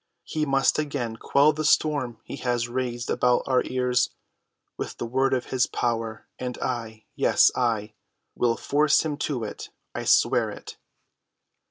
He must again quell the storm he has raised about our ears with the word of his power, and I—yes, I will force him to it. I swear it!"